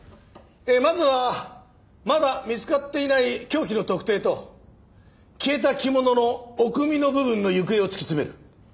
まずはまだ見つかっていない凶器の特定と消えた着物のおくみの部分の行方を突き詰める。